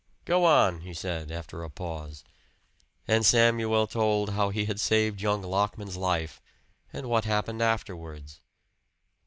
"Go on," he said after a pause; and Samuel told how he had saved young Lockman's life, and what happened afterwards.